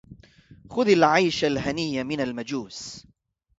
خذ العيش الهني من المجوس